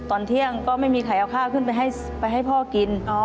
ตอนเที่ยงก็ไม่มีใครเอาข้าวขึ้นไปให้พ่อกิน